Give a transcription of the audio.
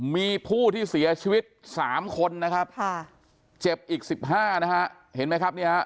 มีผู้ที่เสียชีวิต๓คนนะครับเจ็บอีก๑๕นะฮะเห็นไหมครับเนี่ยฮะ